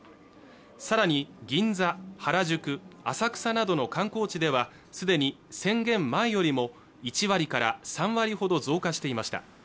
さらに銀座、原宿、浅草などの観光地では既に宣言前よりも１割から３割ほど増加していました